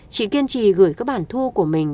chị kiên trì gửi các bản thu của mình